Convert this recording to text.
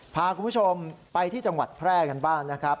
พาคุณผู้ชมไปที่จังหวัดแพร่กันบ้างนะครับ